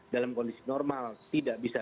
dalam kondisi normal tidak bisa